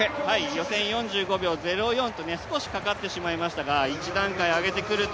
予選４５秒０４と少しかかってしまいましたが、一段階上げてくると